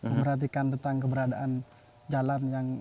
memperhatikan tentang keberadaan jalan yang